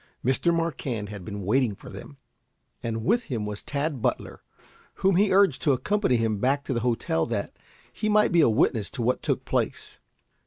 Mr. Marquand had been waiting for them, and with him was Tad Butler, whom he had urged to accompany him back to the hotel that he might be a witness to what took place.